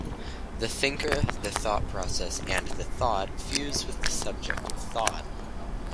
The thinker, the thought process and the thought fuse with the subject of thought.